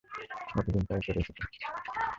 এতদিন তাই করে এসেছো।